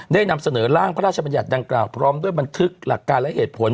นำเสนอร่างพระราชบัญญัติดังกล่าวพร้อมด้วยบันทึกหลักการและเหตุผล